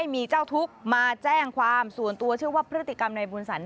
มาแจ้งความส่วนตัวเชื่อว่าพฤติกรรมนายบุญสรรค์